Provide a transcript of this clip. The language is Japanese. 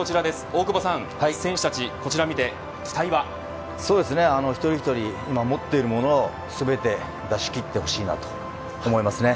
大久保さん選手たち、こちらを見て期待一人一人、持っているものを全て出し切ってほしいなと思いますね。